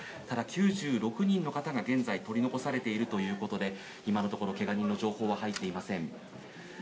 現在、９６人の方が取り残されているということで今のところけが人の情報は入っていません。